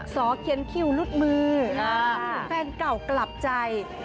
สอเขียนคิวรุดมือแฟนเก่ากลับใจ